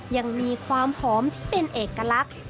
ยังมีความหอมที่เป็นเอกลักษณ์